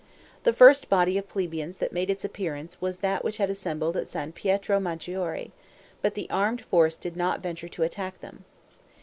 The first body of plebeians that made its appearance was that which had assembled at San Pietro Maggiore; but the armed force did not venture to attack them.